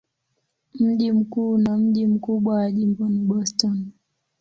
Mji mkuu na mji mkubwa wa jimbo ni Boston.